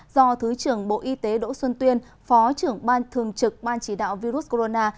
do thứ trưởng bộ y tế đỗ xuân tuyên phó trưởng ban thường trực ban chỉ đạo virus corona